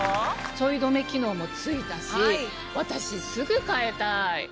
ちょい止め機能も付いたし私すぐ替えたい！